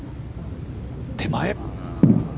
手前。